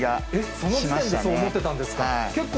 その時点でそう思ってたんですか。